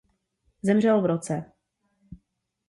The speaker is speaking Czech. Zemřel v roce.